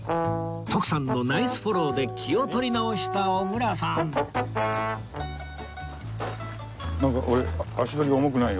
徳さんのナイスフォローで気を取り直した小倉さんなんか俺足取り重くない？